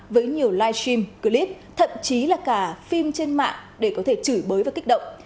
với nhiều live stream clip thậm chí là cả phim trên mạng để có thể chửi bới và kích động